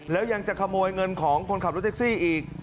แล้วยังจะขโมยเงินของคนขับรถแท็กซี่อีก